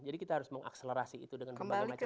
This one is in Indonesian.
jadi kita harus mengakselerasi itu dengan berbagai macam